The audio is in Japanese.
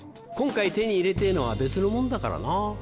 今回手に入れてぇのは別のもんだからな。